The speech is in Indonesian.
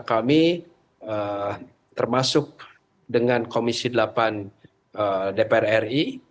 karena kami termasuk dengan komisi delapan dpr ri